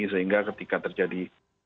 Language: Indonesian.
sehingga ketika terjadi